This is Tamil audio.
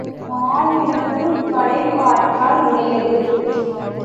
மானுடம் படைப்பாற்றல் உடையது.